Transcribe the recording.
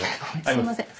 すいません。